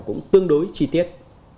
cũng tương đối chi tiết